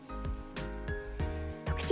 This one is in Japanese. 特集